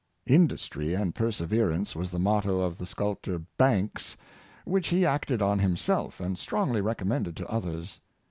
" Industry and perseverance " was the motto of the sculptor Banks, which he acted on himself, and strongly recommended to others.